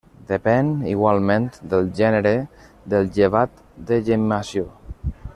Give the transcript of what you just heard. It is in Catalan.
Depèn igualment del gènere del llevat de gemmació.